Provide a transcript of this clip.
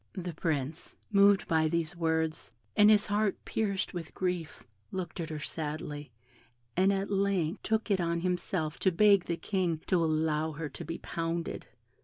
The Prince, moved by these words, and his heart pierced with grief, looked at her sadly, and at length took it on himself to beg the King to allow her to be pounded.